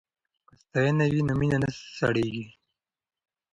که ستاینه وي نو مینه نه سړیږي.